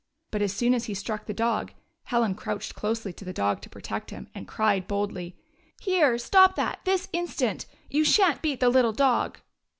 But as soon as he struck the dog Helen crouched close to the dog to protect him, and cried boldly : "Here, stop that, this instant! You sha'n't beat the little dog